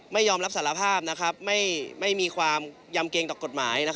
ไม่ยอมรับสารภาพไม่มีความยำเกงต่อกฎหมาย